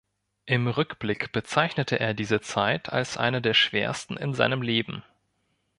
Im Rückblick bezeichnete er diese Zeit als eine der schwersten in seinem Leben.